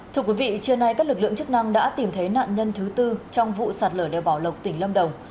thưa quý vị trưa nay các lực lượng chức năng đã tìm thấy nạn nhân thứ tư trong vụ sạt lở đeo bảo lộc tỉnh lâm đồng